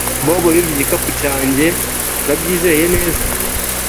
Bobo yibye igikapu cyanjye Urabyizeye neza